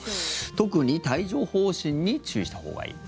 特に帯状疱疹に注意したほうがいい？